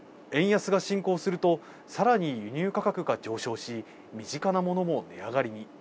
円安が進行すると更に輸入価格が上昇し身近なものも値上がりに。